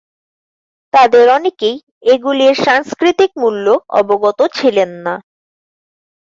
তাঁদের অনেকেই এগুলির সাংস্কৃতিক মূল্য অবগত ছিলেন না।